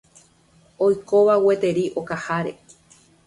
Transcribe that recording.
oikóva gueteri okaháre